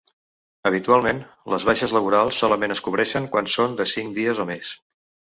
Habitualment, les baixes laborals solament es cobreixen quan són de cinc dies o més.